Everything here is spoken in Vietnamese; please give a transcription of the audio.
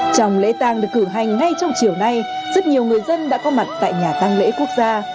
trong lễ tàng được cử hành ngay trong chiều nay rất nhiều người dân đã có mặt tại nhà tăng lễ quốc gia